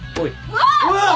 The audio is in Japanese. うわっ！